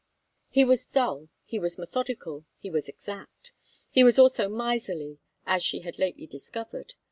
He was dull, he was methodical, he was exact. He was also miserly, as she had lately discovered.